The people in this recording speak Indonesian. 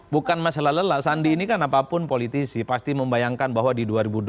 bukan masalah lela sandi ini kan apapun politisi pasti membayangkan bahwa di dua ribu dua puluh